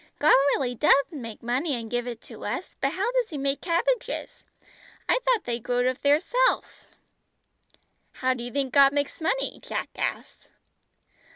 God really does make money and give it to us, but does He make cabbages? I thought they growed of theirselves." "How do you think God makes money?" Jack asked.